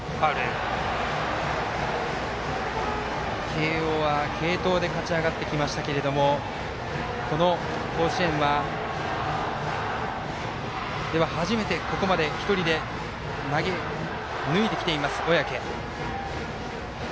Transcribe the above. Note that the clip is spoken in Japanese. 慶応は継投で勝ち上がってきましたけれども甲子園では初めて一人で投げ抜いてきています、小宅。